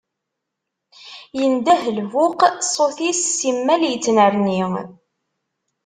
Indeh lbuq, ṣṣut-is simmal ittnerni.